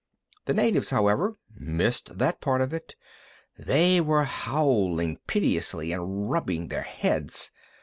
The natives, however, missed that part of it; they were howling piteously and rubbing their heads.